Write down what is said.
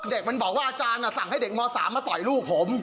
เด็กมันบอกว่าอาจารย์สั่งให้เด็กม๓มาต่อยลูกผม